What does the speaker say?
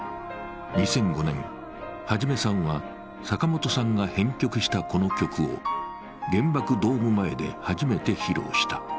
２００５年、元さんは坂本さんが編曲したこの曲を原爆ドーム前で初めて披露した。